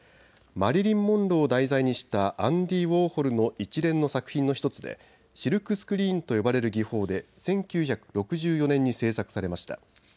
マリリン・モンローを題材にしたアンディ・ウォーホルの一連の作品の１つでシルクスクリーンと呼ばれる技法で１９６４年に制作されました。